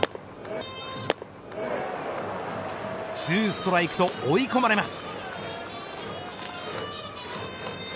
２ストライクと追い込まれます。